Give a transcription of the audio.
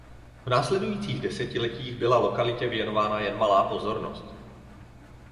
V následujících desetiletích byla lokalitě věnována jen malá pozornost.